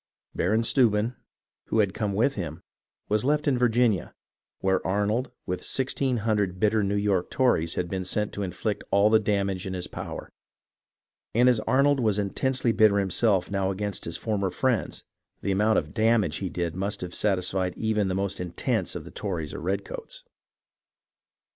Baron Steuben, who had come with him, was left in Virginia, where Arnold, with 1600 bitter New York Tories, had been sent to inflict all the damage in his power; and as Arnold was intensely bitter himself now against his former friends, the amount of " damage " he did must have satisfied even the most intense of the Tories or redcoats.